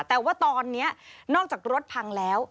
แต่ว่าตอนนี้นอกจากรถพังแล้ว